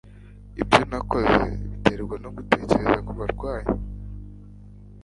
Ibyo nakoze biterwa no gutekereza kubarwayi